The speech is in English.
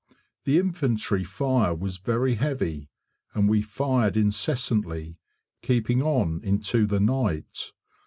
The infantry fire was very heavy, and we fired incessantly, keeping on into the night.